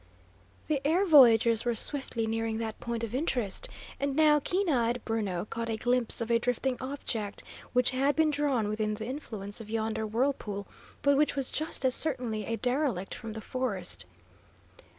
The air voyagers were swiftly nearing that point of interest, and now keen eyed Bruno caught a glimpse of a drifting object which had been drawn within the influence of yonder whirlpool, but which was just as certainly a derelict from the forest.